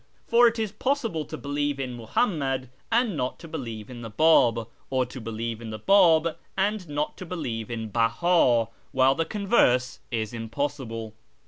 For it is possible to believe in Muhammad and not to believe in the Bab, or to believe in the Bab and not to believe in Beha, while the converse is impossible.